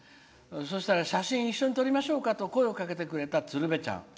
「そうしたら写真撮りましょうかと声をかけてくれた鶴瓶ちゃん。